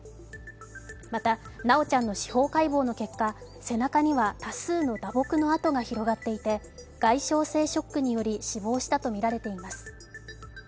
また、修ちゃんの司法解剖の結果、背中には多数の打撲の痕が広がっていて外傷性ショックにより死亡したとみられています。